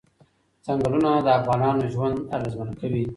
ځنګلونه د افغانانو ژوند اغېزمن کوي.